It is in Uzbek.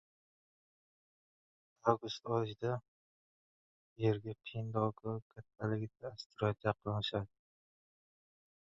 Avgust oxirida Yerga Pentagon kattaligidagi asteroid yaqinlashadi